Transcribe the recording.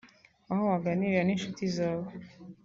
aho waganirira n’inshuti zawe